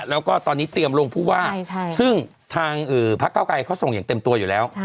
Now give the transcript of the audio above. แล้วก็ตอนนี้เตรียมลงผู้ว่าใช่ใช่ซึ่งทางเอ่อภักดิ์เก้าไก่เขาส่งอย่างเต็มตัวอยู่แล้ว